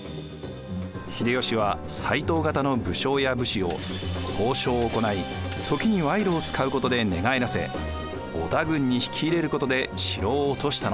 秀吉は斎藤方の武将や武士を交渉を行い時に賄賂を使うことで寝返らせ織田軍に引き入れることで城を落としたのです。